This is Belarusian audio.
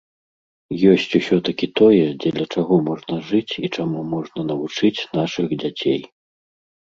Ёсць усё-такі тое, дзеля чаго можна жыць і чаму можна навучыць нашых дзяцей.